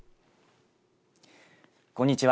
こんにちは。